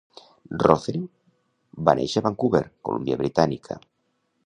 Rothery va néixer a Vancouver, Columbia Britànica.